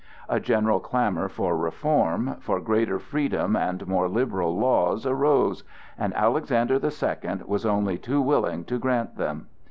A general clamor for reform, for greater freedom and more liberal laws arose, and Alexander the Second was only too willing to grant them.